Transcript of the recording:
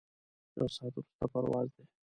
یو ساعت وروسته پرواز دی.